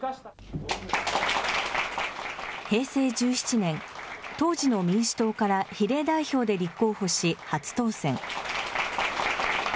平成１７年、当時の民主党から比例代表で立候補し、初当選。